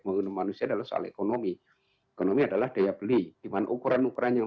pembangunan manusia dalam soal ekonomi ekonomi adalah daya beli dimana ukuran ukuran yang